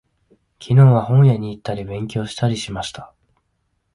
昨日は、本屋に行ったり、勉強したりしました。